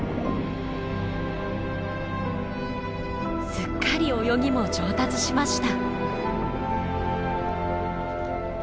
すっかり泳ぎも上達しました。